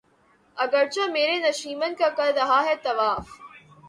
اگرچہ میرے نشیمن کا کر رہا ہے طواف